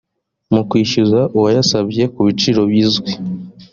mu kwishyuza uwayasabye ku biciro bizwi